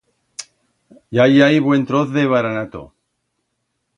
Ya i hai buen troz de baranato.